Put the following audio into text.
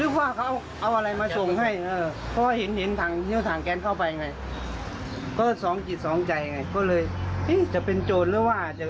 ก็สองจิตสองใจไงก็เลยจะเป็นโจรหรือว่า